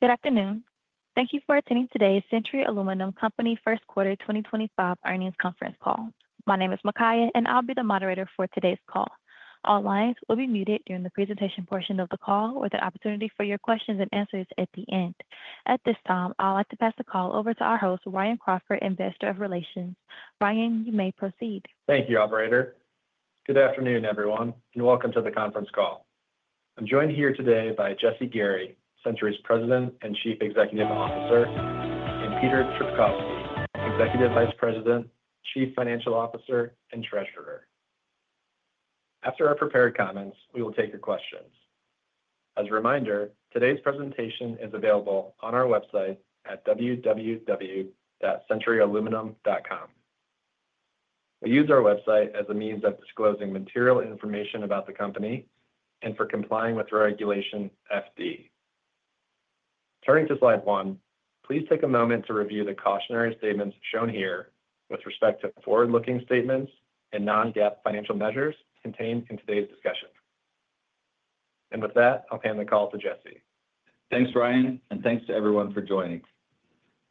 Good afternoon. Thank you for attending today's Century Aluminum Company First Quarter 2025 earnings conference call. My name is Makaya, and I'll be the moderator for today's call. All lines will be muted during the presentation portion of the call, with an opportunity for your questions and answers at the end. At this time, I'd like to pass the call over to our host, Ryan Crawford, Investor Relations. Ryan, you may proceed. Thank you, Operator. Good afternoon, everyone, and welcome to the conference call. I'm joined here today by Jesse Gary, Century's President and Chief Executive Officer, and Peter Trpkovski, Executive Vice President, Chief Financial Officer, and Treasurer. After our prepared comments, we will take your questions. As a reminder, today's presentation is available on our website at www.centuryaluminum.com. We use our website as a means of disclosing material information about the company and for complying with regulation FD. Turning to slide one, please take a moment to review the cautionary statements shown here with respect to forward-looking statements and non-GAAP financial measures contained in today's discussion. With that, I'll hand the call to Jesse. Thanks, Ryan, and thanks to everyone for joining.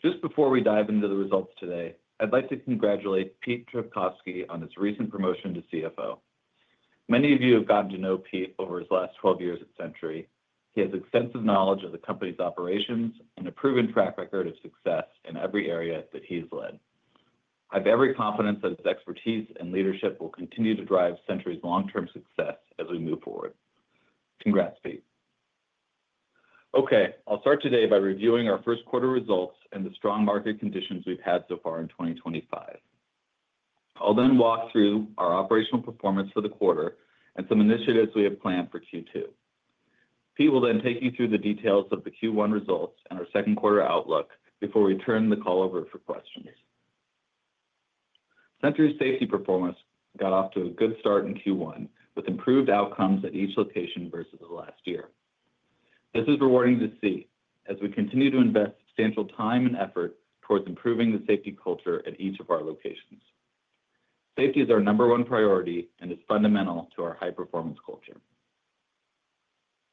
Just before we dive into the results today, I'd like to congratulate Peter Trpkovski on his recent promotion to CFO. Many of you have gotten to know Pete over his last 12 years at Century. He has extensive knowledge of the company's operations and a proven track record of success in every area that he has led. I have every confidence that his expertise and leadership will continue to drive Century's long-term success as we move forward. Congrats, Pete. Okay, I'll start today by reviewing our first quarter results and the strong market conditions we've had so far in 2025. I'll then walk through our operational performance for the quarter and some initiatives we have planned for Q2. Pete will then take you through the details of the Q1 results and our second quarter outlook before we turn the call over for questions. Century's safety performance got off to a good start in Q1 with improved outcomes at each location versus last year. This is rewarding to see as we continue to invest substantial time and effort towards improving the safety culture at each of our locations. Safety is our number one priority and is fundamental to our high-performance culture.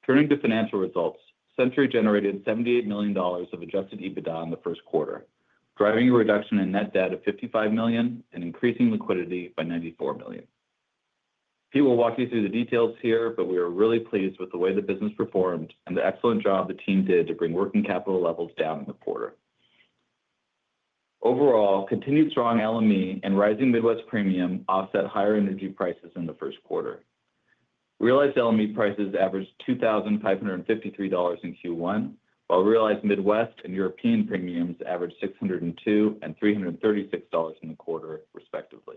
Turning to financial results, Century generated $78 million of adjusted EBITDA in the first quarter, driving a reduction in net debt of $55 million and increasing liquidity by $94 million. Pete will walk you through the details here, but we are really pleased with the way the business performed and the excellent job the team did to bring working capital levels down in the quarter. Overall, continued strong LME and rising Midwest premium offset higher energy prices in the first quarter. Realized LME prices averaged $2,553 in Q1, while realized Midwest and European premiums averaged $602 and $336 in the quarter, respectively.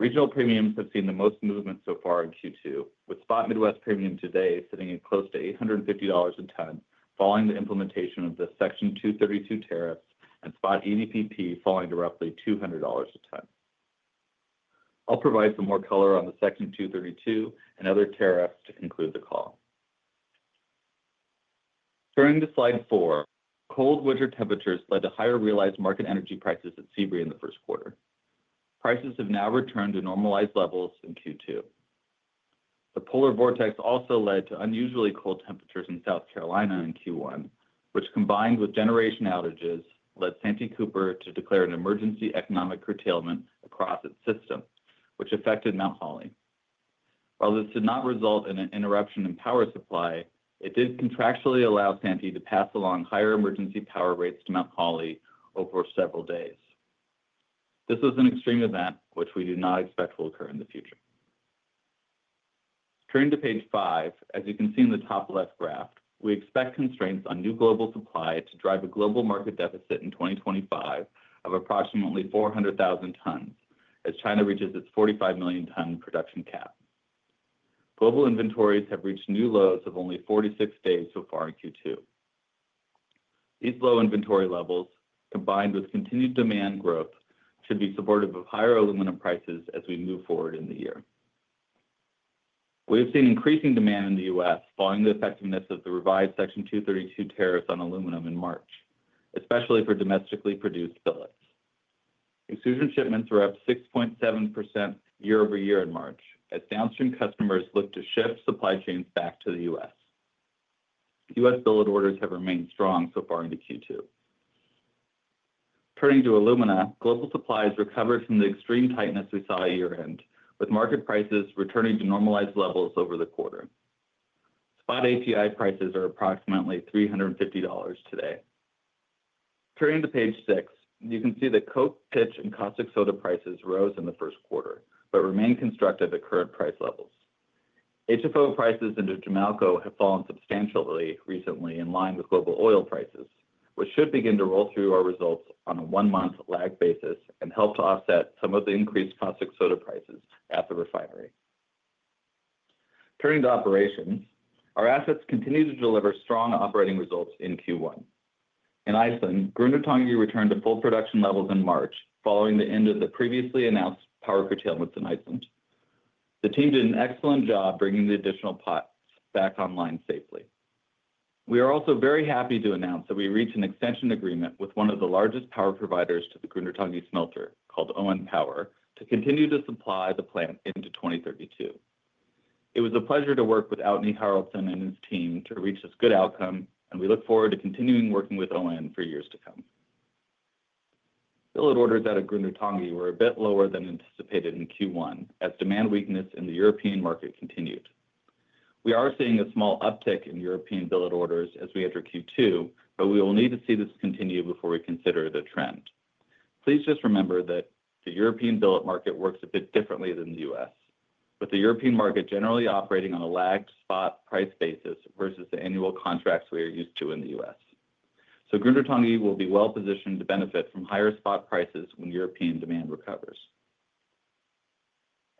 Regional premiums have seen the most movement so far in Q2, with spot Midwest premium today sitting at close to $850 a ton, following the implementation of the Section 232 tariffs, and spot EDPP falling to roughly $200 a ton. I'll provide some more color on the Section 232 and other tariffs to conclude the call. Turning to slide four, cold winter temperatures led to higher realized market energy prices at Seabury in the first quarter. Prices have now returned to normalized levels in Q2. The polar vortex also led to unusually cold temperatures in South Carolina in Q1, which, combined with generation outages, led Santee Cooper to declare an emergency economic curtailment across its system, which affected Mount Holly. While this did not result in an interruption in power supply, it did contractually allow Santee to pass along higher emergency power rates to Mount Holly over several days. This was an extreme event, which we do not expect will occur in the future. Turning to page five, as you can see in the top left graph, we expect constraints on new global supply to drive a global market deficit in 2025 of approximately 400,000 tons as China reaches its 45 million ton production cap. Global inventories have reached new lows of only 46 days so far in Q2. These low inventory levels, combined with continued demand growth, should be supportive of higher aluminum prices as we move forward in the year. We have seen increasing demand in the U.S. following the effectiveness of the revised Section 232 tariffs on aluminum in March, especially for domestically produced billets. Extrusion shipments were up 6.7% year-over-year in March as downstream customers look to shift supply chains back to the U.S. U.S. billet orders have remained strong so far into Q2. Turning to alumina, global supplies recovered from the extreme tightness we saw at year-end, with market prices returning to normalized levels over the quarter. Spot API prices are approximately $350 today. Turning to page six, you can see that coke, pitch, and caustic soda prices rose in the first quarter but remain constructive at current price levels. HFO prices into Jamalco have fallen substantially recently in line with global oil prices, which should begin to roll through our results on a one-month lag basis and help to offset some of the increased caustic soda prices at the refinery. Turning to operations, our assets continue to deliver strong operating results in Q1. In Iceland, Grundartangi returned to full production levels in March following the end of the previously announced power curtailments in Iceland. The team did an excellent job bringing the additional pots back online safely. We are also very happy to announce that we reached an extension agreement with one of the largest power providers to the Grundartangi smelter, called ON Power, to continue to supply the plant into 2032. It was a pleasure to work with Arni Haraldson and his team to reach this good outcome, and we look forward to continuing working with ON for years to come. Billet orders out of Grundartangi were a bit lower than anticipated in Q1 as demand weakness in the European market continued. We are seeing a small uptick in European billet orders as we enter Q2, but we will need to see this continue before we consider the trend. Please just remember that the European billet market works a bit differently than the U.S., with the European market generally operating on a lagged spot price basis versus the annual contracts we are used to in the U.S. Grundartangi will be well positioned to benefit from higher spot prices when European demand recovers.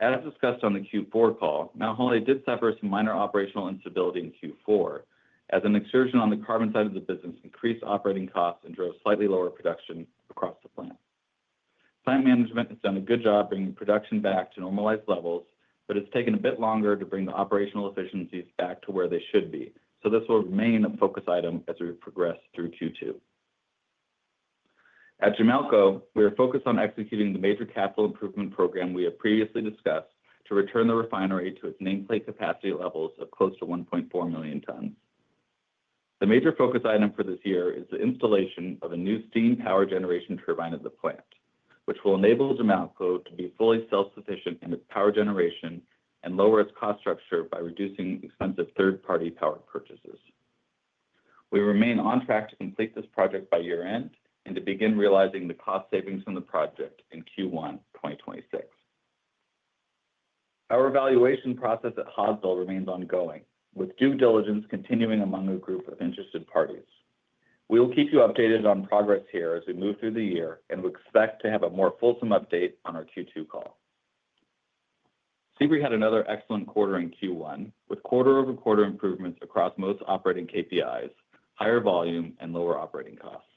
As discussed on the Q4 call, Mount Holly did suffer some minor operational instability in Q4 as an extrusion on the carbon side of the business increased operating costs and drove slightly lower production across the plant. Plant management has done a good job bringing production back to normalized levels, but it's taken a bit longer to bring the operational efficiencies back to where they should be. This will remain a focus item as we progress through Q2. At Jamalco, we are focused on executing the major capital improvement program we have previously discussed to return the refinery to its nameplate capacity levels of close to 1.4 million tons. The major focus item for this year is the installation of a new steam power generation turbine at the plant, which will enable Jamalco to be fully self-sufficient in its power generation and lower its cost structure by reducing expensive third-party power purchases. We remain on track to complete this project by year-end and to begin realizing the cost savings from the project in Q1 2026. Our evaluation process at Hodsell remains ongoing, with due diligence continuing among a group of interested parties. We will keep you updated on progress here as we move through the year and we expect to have a more fulsome update on our Q2 call. Seabury had another excellent quarter in Q1 with quarter-over-quarter improvements across most operating KPIs, higher volume, and lower operating costs.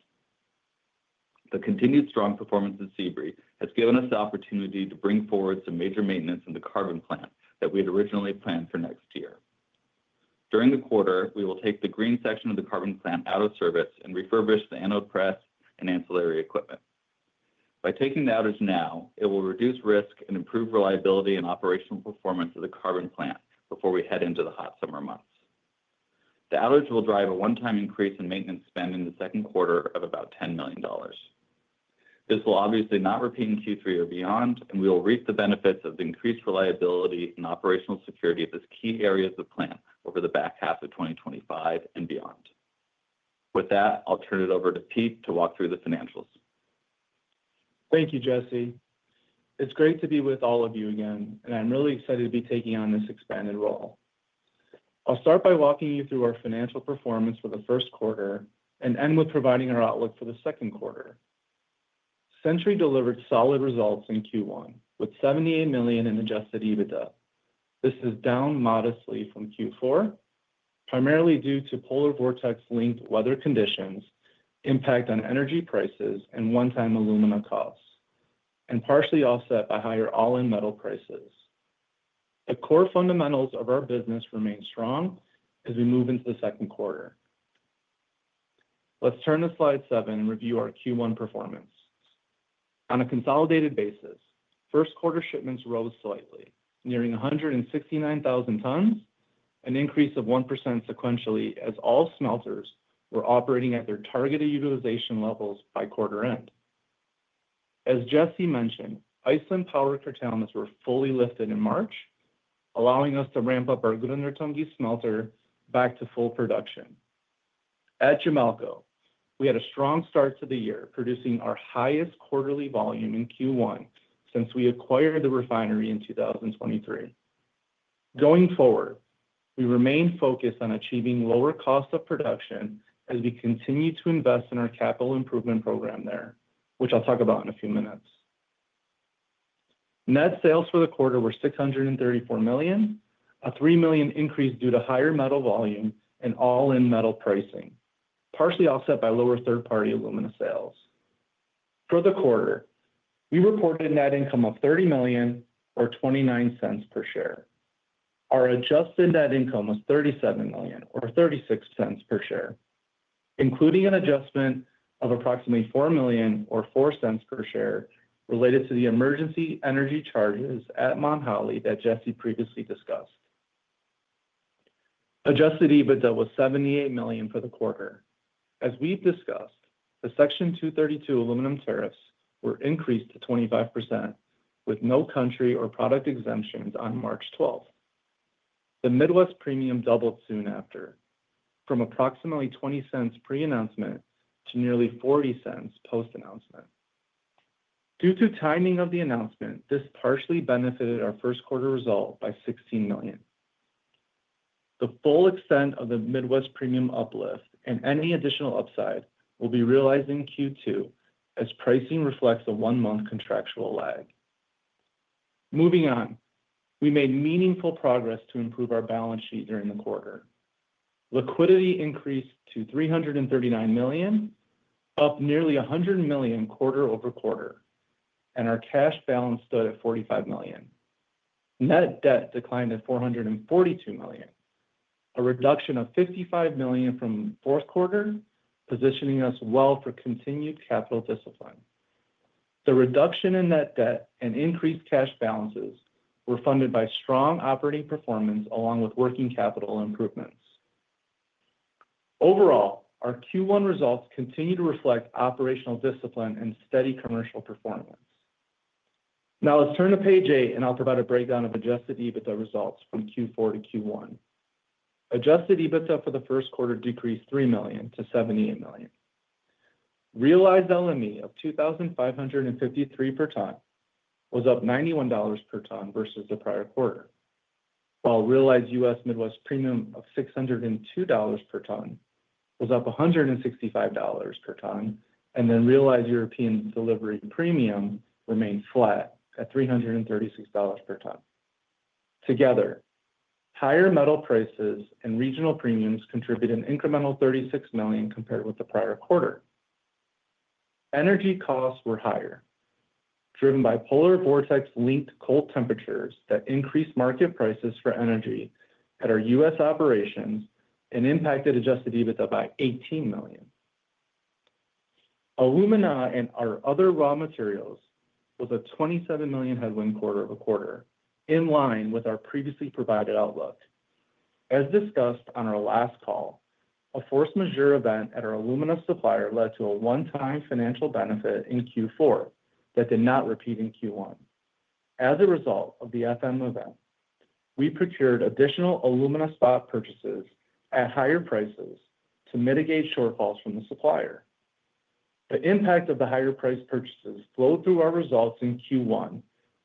The continued strong performance of Seabury has given us the opportunity to bring forward some major maintenance in the Carbon Plant that we had originally planned for next year. During the quarter, we will take the green section of the Carbon Plant out of service and refurbish the anode press and ancillary equipment. By taking the outage now, it will reduce risk and improve reliability and operational performance of the Carbon Plant before we head into the hot summer months. The outage will drive a one-time increase in maintenance spend in the second quarter of about $10 million. This will obviously not repeat in Q3 or beyond, and we will reap the benefits of the increased reliability and operational security of these key areas of the plant over the back half of 2025 and beyond. With that, I'll turn it over to Pete to walk through the financials. Thank you, Jesse. It's great to be with all of you again, and I'm really excited to be taking on this expanded role. I'll start by walking you through our financial performance for the first quarter and end with providing our outlook for the second quarter. Century delivered solid results in Q1 with $78 million in adjusted EBITDA. This is down modestly from Q4, primarily due to polar vortex-linked weather conditions, impact on energy prices, and one-time alumina costs, and partially offset by higher all-in metal prices. The core fundamentals of our business remain strong as we move into the second quarter. Let's turn to slide seven and review our Q1 performance. On a consolidated basis, first quarter shipments rose slightly, nearing 169,000 tons, an increase of 1% sequentially as all smelters were operating at their targeted utilization levels by quarter end. As Jesse mentioned, Iceland power curtailments were fully lifted in March, allowing us to ramp up our Grundartangi smelter back to full production. At Jamalco, we had a strong start to the year, producing our highest quarterly volume in Q1 since we acquired the refinery in 2023. Going forward, we remain focused on achieving lower cost of production as we continue to invest in our capital improvement program there, which I'll talk about in a few minutes. Net sales for the quarter were $634 million, a $3 million increase due to higher metal volume and all-in metal pricing, partially offset by lower third-party alumina sales. For the quarter, we reported net income of $30 million, or $0.29 per share. Our Adjusted Net Income was $37 million, or $0.36 per share, including an adjustment of approximately $4 million, or $0.04 per share, related to the emergency energy charges at Mount Holly that Jesse previously discussed. Adjusted EBITDA was $78 million for the quarter. As we've discussed, the Section 232 aluminum tariffs were increased to 25% with no country or product exemptions on March 12th. The Midwest premium doubled soon after, from approximately $0.20 pre-announcement to nearly $0.40 post-announcement. Due to timing of the announcement, this partially benefited our first quarter result by $16 million. The full extent of the Midwest premium uplift and any additional upside will be realized in Q2 as pricing reflects a one-month contractual lag. Moving on, we made meaningful progress to improve our balance sheet during the quarter. Liquidity increased to $339 million, up nearly $100 million quarter-over-quarter, and our cash balance stood at $45 million. Net debt declined to $442 million, a reduction of $55 million from the fourth quarter, positioning us well for continued capital discipline. The reduction in net debt and increased cash balances were funded by strong operating performance along with working capital improvements. Overall, our Q1 results continue to reflect operational discipline and steady commercial performance. Now, let's turn to page eight, and I'll provide a breakdown of adjusted EBITDA results from Q4 to Q1. Adjusted EBITDA for the first quarter decreased $3 million to $78 million. Realized LME of $2,553 per ton was up $91 per ton versus the prior quarter, while realized U.S. Midwest premium of $602 per ton was up $165 per ton, and then realized European delivery premium remained flat at $336 per ton. Together, higher metal prices and regional premiums contribute an incremental $36 million compared with the prior quarter. Energy costs were higher, driven by polar vortex-linked cold temperatures that increased market prices for energy at our U.S. operations and impacted adjusted EBITDA by $18 million. Alumina and our other raw materials was a $27 million headwind quarter over quarter, in line with our previously provided outlook. As discussed on our last call, a force Majeure event at our alumina supplier led to a one-time financial benefit in Q4 that did not repeat in Q1. As a result of the FM event, we procured additional alumina spot purchases at higher prices to mitigate shortfalls from the supplier. The impact of the higher price purchases flowed through our results in Q1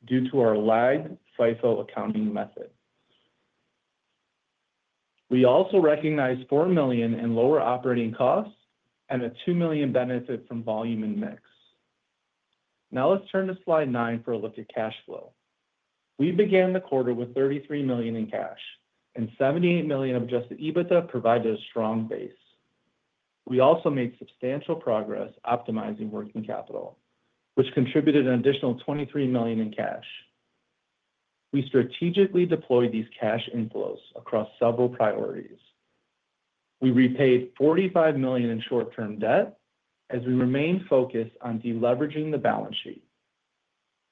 due to our lagged FIFO accounting method. We also recognized $4 million in lower operating costs and a $2 million benefit from volume and mix. Now, let's turn to slide nine for a look at cash flow. We began the quarter with $33 million in cash, and $78 million of adjusted EBITDA provided a strong base. We also made substantial progress optimizing working capital, which contributed an additional $23 million in cash. We strategically deployed these cash inflows across several priorities. We repaid $45 million in short-term debt as we remained focused on deleveraging the balance sheet.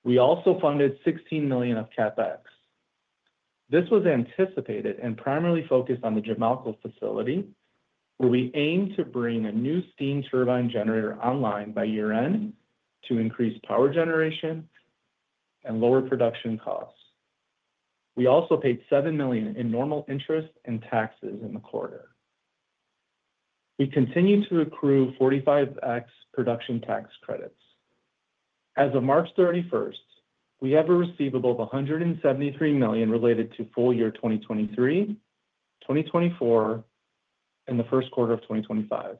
We also funded $16 million of CapEx. This was anticipated and primarily focused on the Jamalco facility, where we aimed to bring a new steam turbine generator online by year-end to increase power generation and lower production costs. We also paid $7 million in normal interest and taxes in the quarter. We continue to accrue 45X production tax credits. As of March 31st, we have a receivable of $173 million related to full year 2023, 2024, and the first quarter of 2025.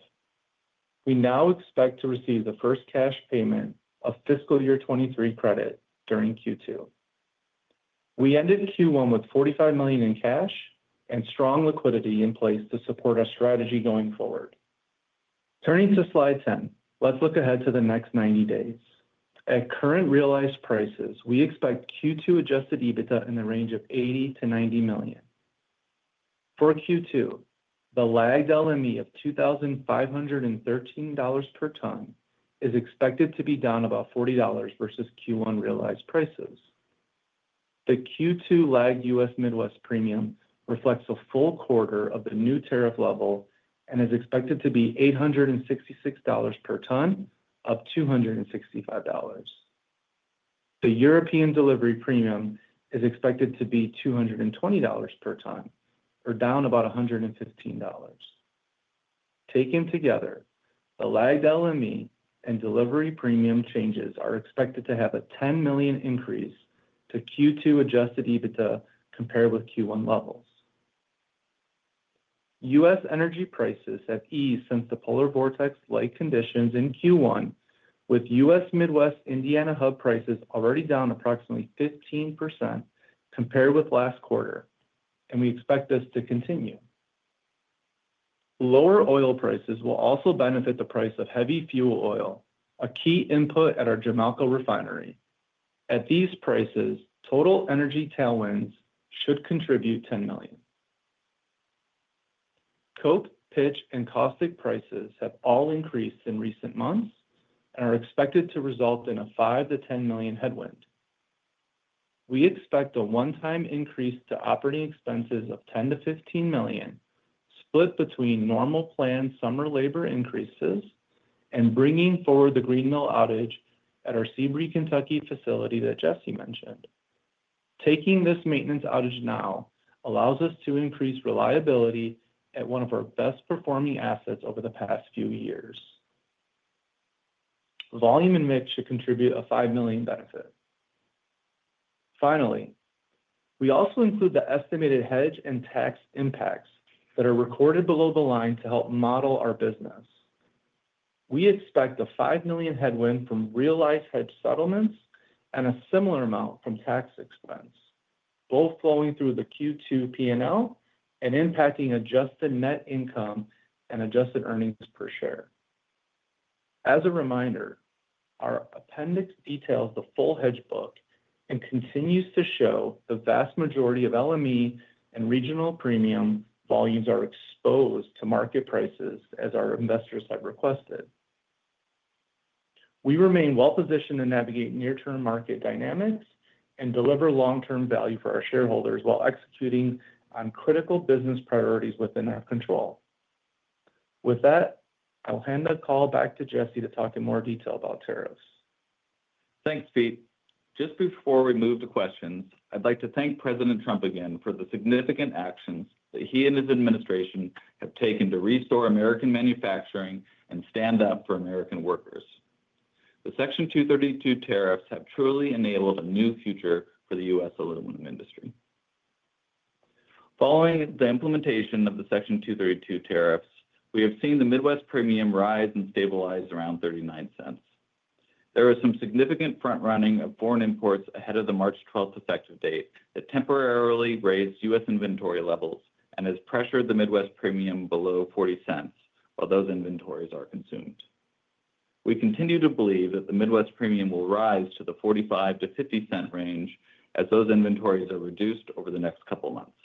We now expect to receive the first cash payment of fiscal year 2023 credit during Q2. We ended Q1 with $45 million in cash and strong liquidity in place to support our strategy going forward. Turning to slide 10, let's look ahead to the next 90 days. At current realized prices, we expect Q2 adjusted EBITDA in the range of $80-$90 million. For Q2, the lagged LME of $2,513 per ton is expected to be down about $40 versus Q1 realized prices. The Q2 lagged U.S. Midwest premium reflects a full quarter of the new tariff level and is expected to be $866 per ton, up $265. The European delivery premium is expected to be $220 per ton, or down about $115. Taken together, the lagged LME and delivery premium changes are expected to have a $10 million increase to Q2 adjusted EBITDA compared with Q1 levels. U.S. energy prices have eased since the polar vortex-like conditions in Q1, with U.S. Midwest Indiana hub prices already down approximately 15% compared with last quarter, and we expect this to continue. Lower oil prices will also benefit the price of heavy fuel oil, a key input at our Jamalco refinery. At these prices, total energy tailwinds should contribute $10 million. Coke, pitch, and caustic prices have all increased in recent months and are expected to result in a $5-$10 million headwind. We expect a one-time increase to operating expenses of $10-$15 million, split between normal planned summer labor increases and bringing forward the green mill outage at our Hawesville, Kentucky facility that Jesse mentioned. Taking this maintenance outage now allows us to increase reliability at one of our best-performing assets over the past few years. Volume and mix should contribute a $5 million benefit. Finally, we also include the estimated hedge and tax impacts that are recorded below the line to help model our business. We expect a $5 million headwind from realized hedge settlements and a similar amount from tax expense, both flowing through the Q2 P&L and impacting Adjusted Net Income and Adjusted Earnings Per Share. As a reminder, our appendix details the full hedge book and continues to show the vast majority of LME and regional premium volumes are exposed to market prices, as our investors have requested. We remain well-positioned to navigate near-term market dynamics and deliver long-term value for our shareholders while executing on critical business priorities within our control. With that, I'll hand the call back to Jesse to talk in more detail about tariffs. Thanks, Pete. Just before we move to questions, I'd like to thank President Trump again for the significant actions that he and his administration have taken to restore American manufacturing and stand up for American workers. The Section 232 tariffs have truly enabled a new future for the U.S. aluminum industry. Following the implementation of the Section 232 tariffs, we have seen the Midwest premium rise and stabilize around $0.39. There was some significant front-running of foreign imports ahead of the March 12th effective date that temporarily raised U.S. inventory levels and has pressured the Midwest premium below $0.40 while those inventories are consumed. We continue to believe that the Midwest premium will rise to the $0.45-$0.50 range as those inventories are reduced over the next couple of months.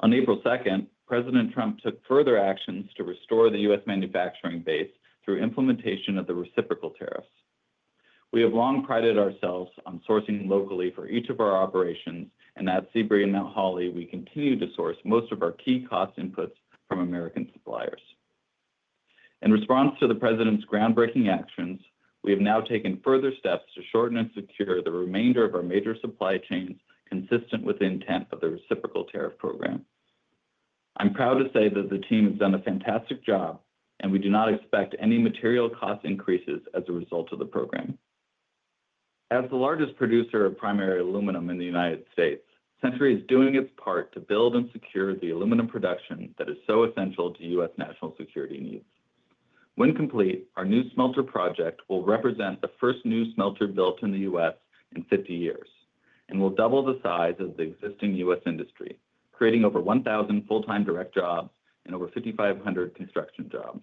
On April 2nd, President Trump took further actions to restore the U.S. manufacturing base through implementation of the reciprocal tariffs. We have long prided ourselves on sourcing locally for each of our operations, and at Seabury and Mount Holly, we continue to source most of our key cost inputs from American suppliers. In response to the President's groundbreaking actions, we have now taken further steps to shorten and secure the remainder of our major supply chains consistent with the intent of the reciprocal tariff program. I'm proud to say that the team has done a fantastic job, and we do not expect any material cost increases as a result of the program. As the largest producer of primary aluminum in the U.S., Century is doing its part to build and secure the aluminum production that is so essential to U.S. national security needs. When complete, our new smelter project will represent the first new smelter built in the U.S. in 50 years and will double the size of the existing U.S. industry, creating over 1,000 full-time direct jobs and over 5,500 construction jobs.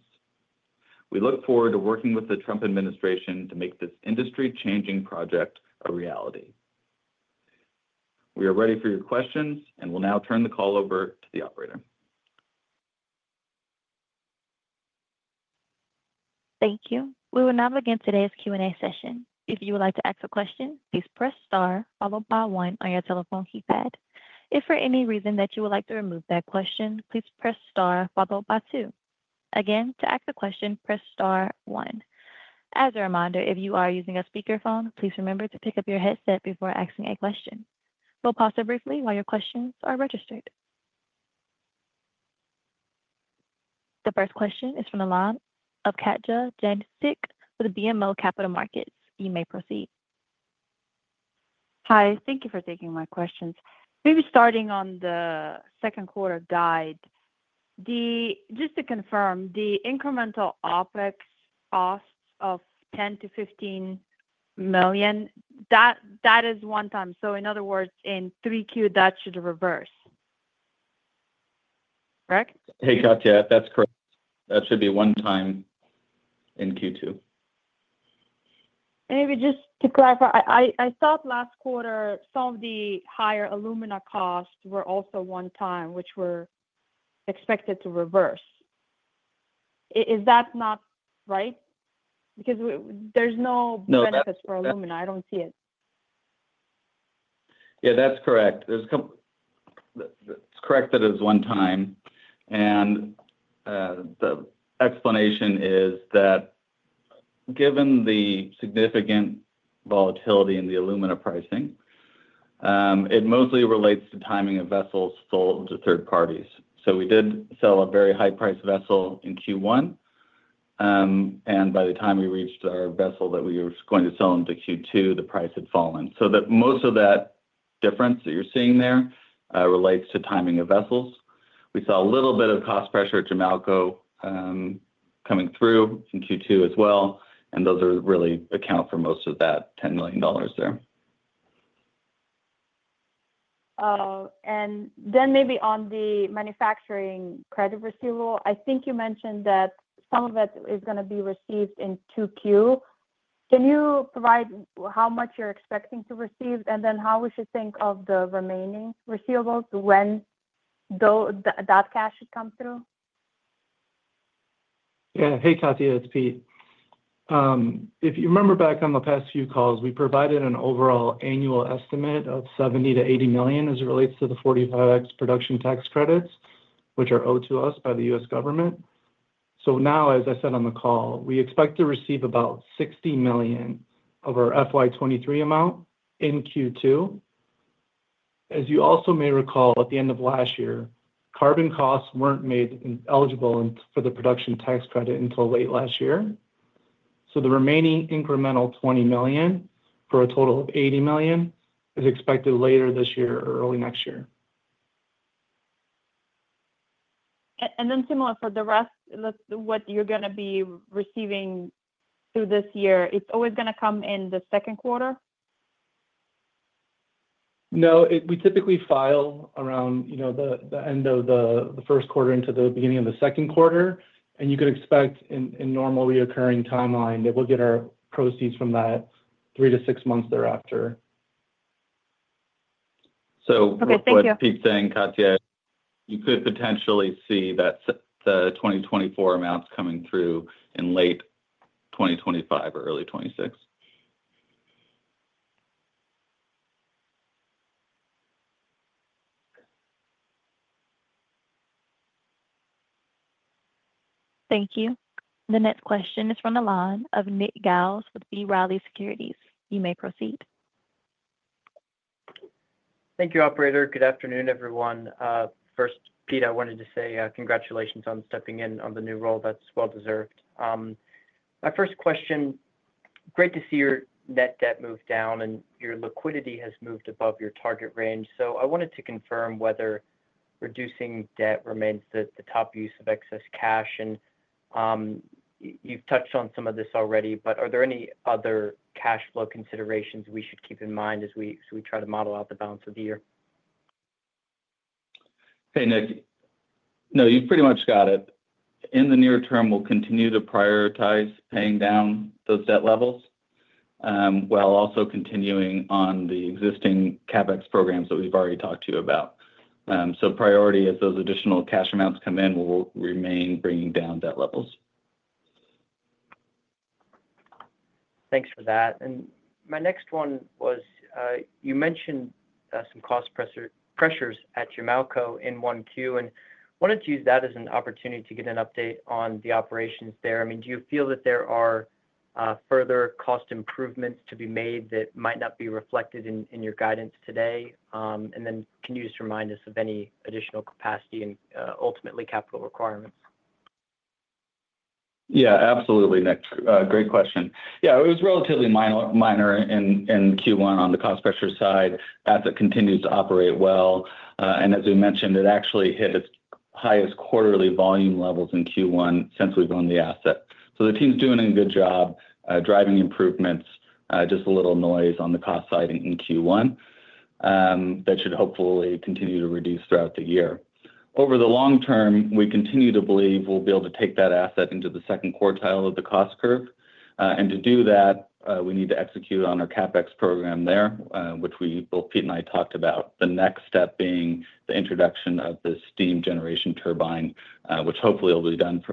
We look forward to working with the Trump administration to make this industry-changing project a reality. We are ready for your questions, and we'll now turn the call over to the operator. Thank you. We will now begin today's Q&A session. If you would like to ask a question, please press star followed by one on your telephone keypad. If for any reason that you would like to remove that question, please press star followed by two. Again, to ask a question, press star one. As a reminder, if you are using a speakerphone, please remember to pick up your headset before asking a question. We'll pause briefly while your questions are registered. The first question is from the line of Katja Jancic with BMO Capital Markets. You may proceed. Hi. Thank you for taking my questions. Maybe starting on the second quarter guide, just to confirm, the incremental OpEx costs of $10-$15 million, that is one time. In other words, in 3Q, that should reverse, correct? Hey, Katja, that's correct. That should be one time in Q2. Maybe just to clarify, I thought last quarter some of the higher alumina costs were also one time, which were expected to reverse. Is that not right? Because there's no benefits for alumina. I don't see it. Yeah, that's correct. It's correct that it's one time. The explanation is that given the significant volatility in the alumina pricing, it mostly relates to timing of vessels sold to third parties. We did sell a very high-priced vessel in Q1, and by the time we reached our vessel that we were going to sell into Q2, the price had fallen. Most of that difference that you're seeing there relates to timing of vessels. We saw a little bit of cost pressure at Jamalco coming through in Q2 as well, and those really account for most of that $10 million there. Oh, and then maybe on the manufacturing credit receivable, I think you mentioned that some of it is going to be received in 2Q. Can you provide how much you're expecting to receive and then how we should think of the remaining receivables when that cash should come through? Yeah. Hey, Katja, it's Pete. If you remember back on the past few calls, we provided an overall annual estimate of $70 million-$80 million as it relates to the $45X production tax credits, which are owed to us by the U.S. government. Now, as I said on the call, we expect to receive about $60 million of our FY23 amount in Q2. As you also may recall, at the end of last year, carbon costs were not made eligible for the production tax credit until late last year. The remaining incremental $20 million for a total of $80 million is expected later this year or early next year. Similar for the rest, what you're going to be receiving through this year, it's always going to come in the second quarter? No, we typically file around the end of the first quarter into the beginning of the second quarter, and you can expect in normal reoccurring timeline that we'll get our proceeds from that three to six months thereafter. What's Pete saying, Katja? You could potentially see the 2024 amounts coming through in late 2025 or early 2026. Thank you. The next question is from the line of Nick Giles with B. Riley Securities. You may proceed. Thank you, Operator. Good afternoon, everyone. First, Peter, I wanted to say congratulations on stepping in on the new role. That's well-deserved. My first question, great to see your net debt move down and your liquidity has moved above your target range. I wanted to confirm whether reducing debt remains the top use of excess cash. You've touched on some of this already, but are there any other cash flow considerations we should keep in mind as we try to model out the balance of the year? Hey, Nick. No, you've pretty much got it. In the near term, we'll continue to prioritize paying down those debt levels while also continuing on the existing CapEx programs that we've already talked to you about. Priority as those additional cash amounts come in, we'll remain bringing down debt levels. Thanks for that. My next one was you mentioned some cost pressures at Jamalco in 1Q, and I wanted to use that as an opportunity to get an update on the operations there. I mean, do you feel that there are further cost improvements to be made that might not be reflected in your guidance today? Can you just remind us of any additional capacity and ultimately capital requirements? Yeah, absolutely, Nick. Great question. Yeah, it was relatively minor in Q1 on the cost pressure side as it continues to operate well. As we mentioned, it actually hit its highest quarterly volume levels in Q1 since we've owned the asset. The team's doing a good job driving improvements, just a little noise on the cost side in Q1 that should hopefully continue to reduce throughout the year. Over the long term, we continue to believe we'll be able to take that asset into the second quartile of the cost curve. To do that, we need to execute on our CapEx program there, which Pete and I talked about, the next step being the introduction of the steam generation turbine, which hopefully will be done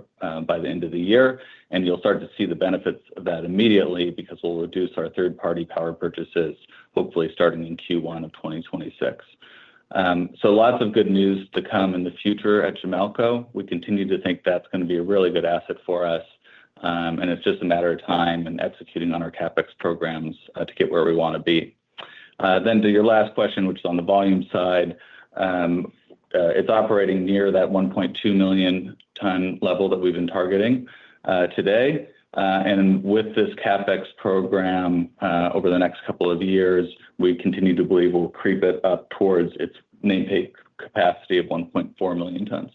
by the end of the year. You will start to see the benefits of that immediately because we will reduce our third-party power purchases, hopefully starting in Q1 of 2026. Lots of good news to come in the future at Jamalco. We continue to think that is going to be a really good asset for us, and it is just a matter of time and executing on our CapEx programs to get where we want to be. To your last question, which is on the volume side, it is operating near that $1.2 million ton level that we have been targeting today. With this CapEx program over the next couple of years, we continue to believe we will creep it up towards its nameplate capacity of 1.4 million tons.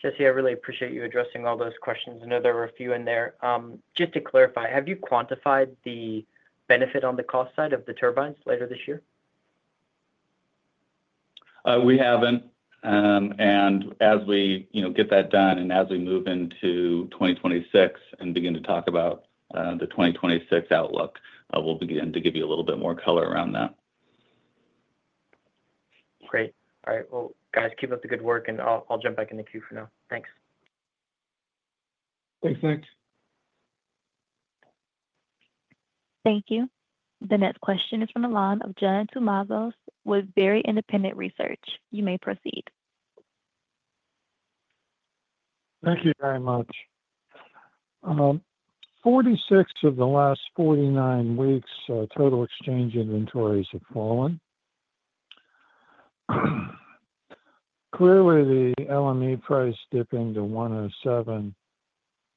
Jesse, I really appreciate you addressing all those questions. I know there were a few in there. Just to clarify, have you quantified the benefit on the cost side of the turbines later this year? We haven't. As we get that done and as we move into 2026 and begin to talk about the 2026 outlook, we'll begin to give you a little bit more color around that. Great. All right. Guys, keep up the good work, and I'll jump back in the Queue for now. Thanks. Thanks, Nick. Thank you. The next question is from the line of John Tumazos with Very Independent Research. You may proceed. Thank you very much. Forty-six of the last 49 weeks, total exchange inventories have fallen. Clearly, the LME price dipping to $1.07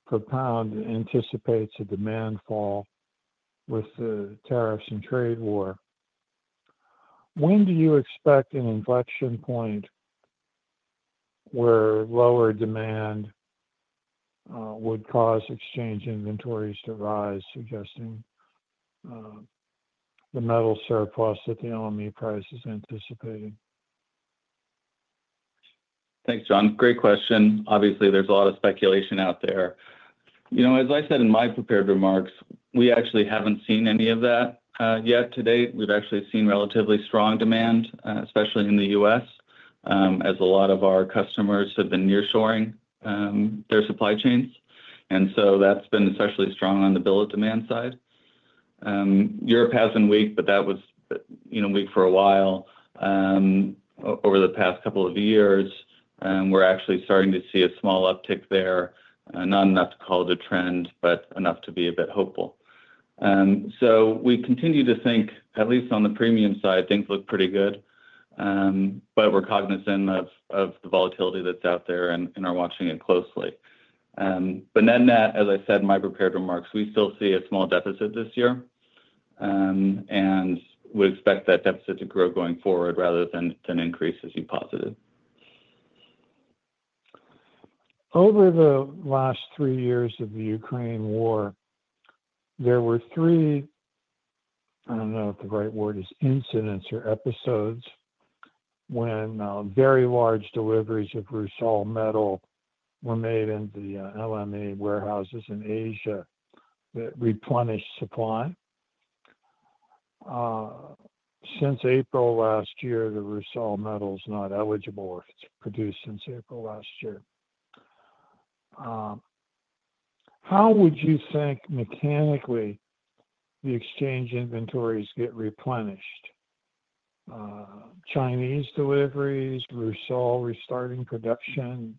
per lb anticipates a demand fall with the tariffs and trade war. When do you expect an inflection point where lower demand would cause exchange inventories to rise, suggesting the metal surplus that the LME price is anticipating? Thanks, John. Great question. Obviously, there's a lot of speculation out there. As I said in my prepared remarks, we actually haven't seen any of that yet to date. We've actually seen relatively strong demand, especially in the U.S., as a lot of our customers have been nearshoring their supply chains. That's been especially strong on the billet demand side. Europe has been weak, but that was weak for a while over the past couple of years. We're actually starting to see a small uptick there, not enough to call it a trend, but enough to be a bit hopeful. We continue to think, at least on the premium side, things look pretty good, but we're cognizant of the volatility that's out there and are watching it closely. Net-net, as I said in my prepared remarks, we still see a small deficit this year, and we expect that deficit to grow going forward rather than increase as you positive. Over the last three years of the Ukraine war, there were three, I do not know if the right word is incidents or episodes, when very large deliveries of RUSAL metal were made into the LME warehouses in Asia that replenished supply. Since April last year, the RUSAL metal is not eligible if it is produced since April last year. How would you think mechanically the exchange inventories get replenished? Chinese deliveries, RUSAL restarting production?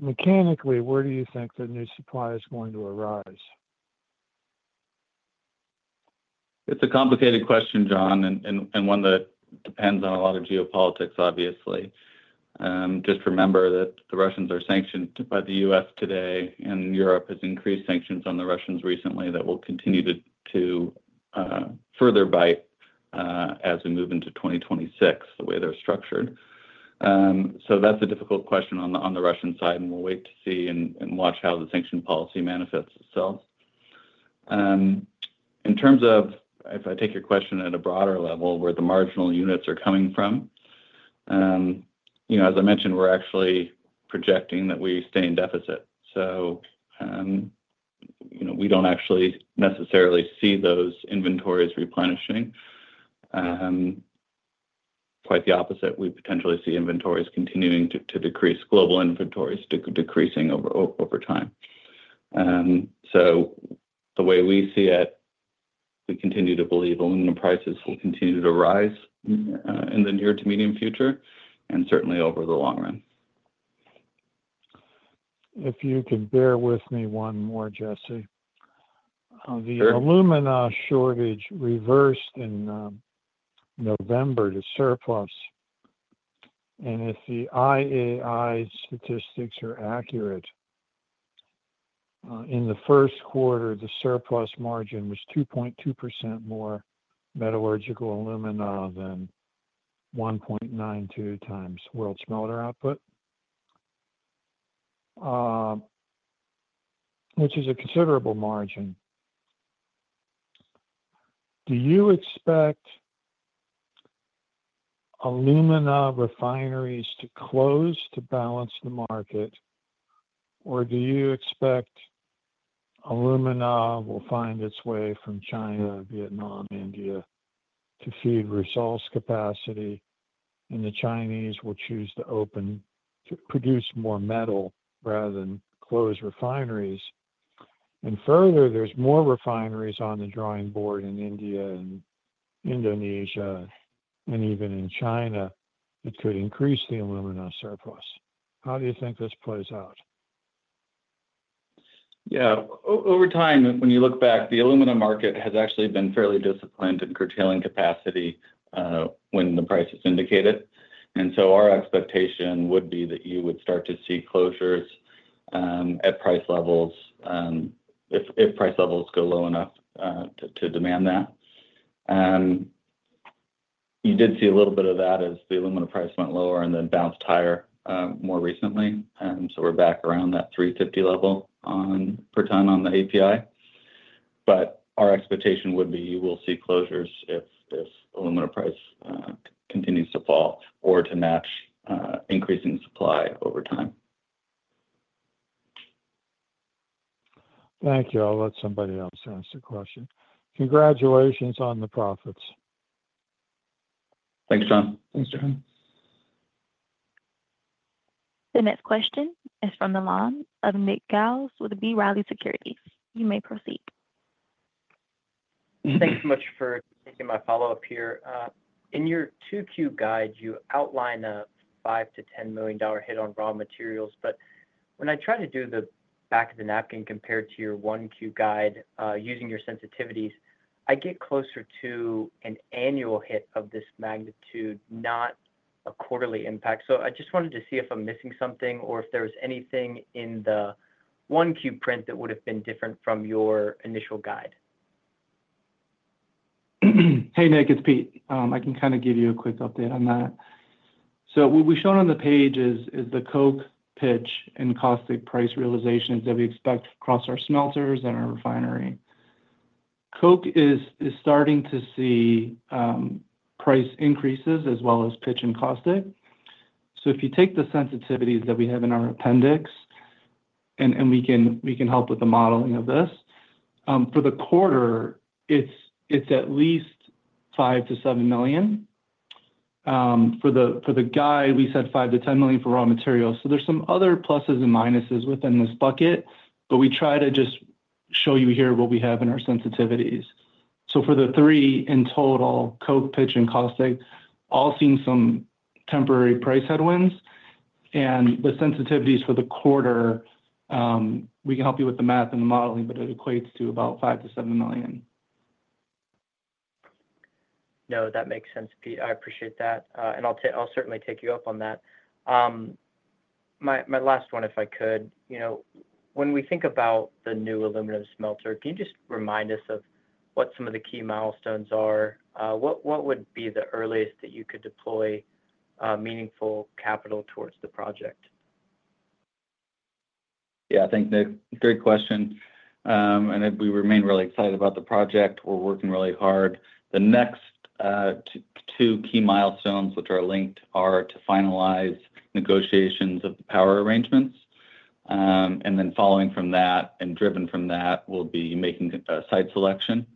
Mechanically, where do you think the new supply is going to arise? It's a complicated question, John, and one that depends on a lot of geopolitics, obviously. Just remember that the Russians are sanctioned by the U.S. today, and Europe has increased sanctions on the Russians recently that will continue to further bite as we move into 2026, the way they're structured. That's a difficult question on the Russian side, and we'll wait to see and watch how the sanction policy manifests itself. In terms of, if I take your question at a broader level, where the marginal units are coming from, as I mentioned, we're actually projecting that we stay in deficit. We don't actually necessarily see those inventories replenishing. Quite the opposite. We potentially see inventories continuing to decrease, global inventories decreasing over time. The way we see it, we continue to believe alumina prices will continue to rise in the near to medium future and certainly over the long run. If you can bear with me one more, Jesse. The alumina shortage reversed in November to surplus. If the IAI statistics are accurate, in the first quarter, the surplus margin was 2.2% more metallurgical alumina than 1.92x world smelter output, which is a considerable margin. Do you expect alumina refineries to close to balance the market, or do you expect alumina will find its way from China, Vietnam, India to feed RUSAL's capacity, and the Chinese will choose to produce more metal rather than close refineries? Further, there are more refineries on the drawing board in India and Indonesia and even in China that could increase the alumina surplus. How do you think this plays out? Yeah. Over time, when you look back, the alumina market has actually been fairly disciplined in curtailing capacity when the price is indicated. Our expectation would be that you would start to see closures at price levels if price levels go low enough to demand that. You did see a little bit of that as the alumina price went lower and then bounced higher more recently. We are back around that $350 per ton on the API. Our expectation would be you will see closures if alumina price continues to fall or to match increasing supply over time. Thank you. I'll let somebody else ask the question. Congratulations on the profits. Thanks, John. Thanks, John. The next question is from the line of Nick Giles with B. Riley Securities. You may proceed. Thanks so much for taking my follow-up here. In your 2Q guide, you outline a $5 million-$10 million hit on raw materials. But when I try to do the back of the napkin compared to your 1Q guide using your sensitivities, I get closer to an annual hit of this magnitude, not a quarterly impact. I just wanted to see if I'm missing something or if there was anything in the 1Q print that would have been different from your initial guide. Hey, Nick, it's Pete. I can kind of give you a quick update on that. What we showed on the page is the coke, pitch, and caustic price realizations that we expect across our smelters and our refinery. Coke is starting to see price increases as well as pitch and caustic. If you take the sensitivities that we have in our appendix, and we can help with the modeling of this, for the quarter, it's at least $5-$7 million. For the guide, we said $5-$10 million for raw material. There are some other pluses and minuses within this bucket, but we try to just show you here what we have in our sensitivities. For the three in total, coke, pitch, and caustic, all seeing some temporary price headwinds. The sensitivities for the quarter, we can help you with the math and the modeling, but it equates to about $5-$7 million. No, that makes sense, Pete. I appreciate that. I'll certainly take you up on that. My last one, if I could. When we think about the new aluminum smelter, can you just remind us of what some of the key milestones are? What would be the earliest that you could deploy meaningful capital towards the project? Yeah, I think, Nick, great question. We remain really excited about the project. We're working really hard. The next two key milestones, which are linked, are to finalize negotiations of power arrangements. Following from that and driven from that will be making site selection.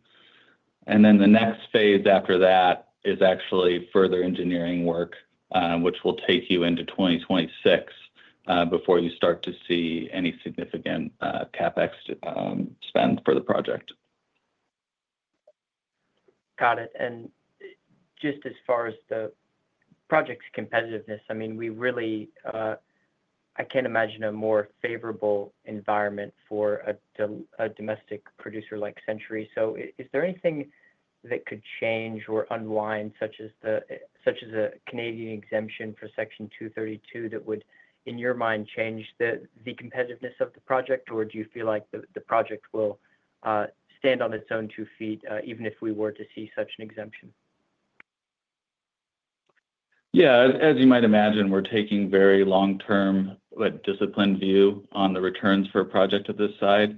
The next phase after that is actually further engineering work, which will take you into 2026 before you start to see any significant CapEx spend for the project. Got it. And just as far as the project's competitiveness, I mean, I can't imagine a more favorable environment for a domestic producer like Century. So is there anything that could change or unwind, such as a Canadian exemption for Section 232, that would, in your mind, change the competitiveness of the project, or do you feel like the project will stand on its own two feet even if we were to see such an exemption? Yeah. As you might imagine, we're taking a very long-term, but disciplined view on the returns for a project of this size.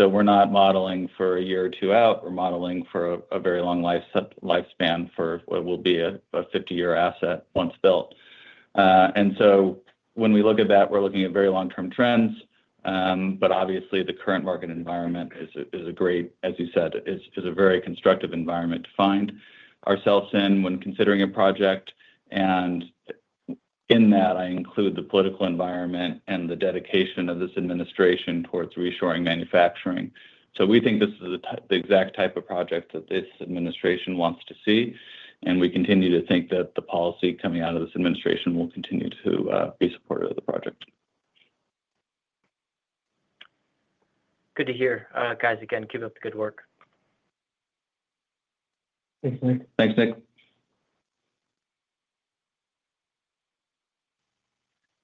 We're not modeling for a year or two out. We're modeling for a very long lifespan for what will be a 50-year asset once built. When we look at that, we're looking at very long-term trends. Obviously, the current market environment is a great, as you said, is a very constructive environment to find ourselves in when considering a project. In that, I include the political environment and the dedication of this administration towards reshoring manufacturing. We think this is the exact type of project that this administration wants to see. We continue to think that the policy coming out of this administration will continue to be supportive of the project. Good to hear. Guys, again, keep up the good work. Thanks, Nick. Thanks, Nick.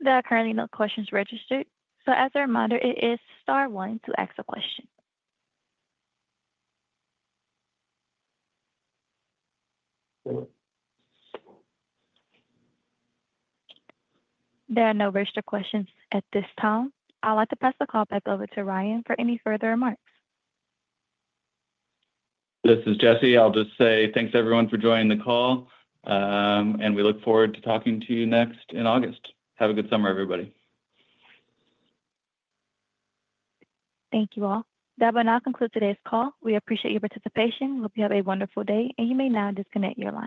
There are currently no questions registered. As a reminder, it is star one to ask a question. There are no registered questions at this time. I'll have to pass the call back over to Ryan for any further remarks. This is Jesse. I'll just say thanks, everyone, for joining the call. We look forward to talking to you next in August. Have a good summer, everybody. Thank you all. That will now conclude today's call. We appreciate your participation. We hope you have a wonderful day, and you may now disconnect your line.